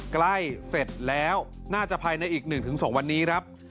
เสร็จแล้วน่าจะภายในอีก๑๒วันนี้ครับ